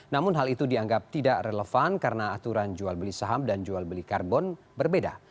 namun hal itu dianggap tidak relevan karena aturan jual beli saham dan jual beli karbon berbeda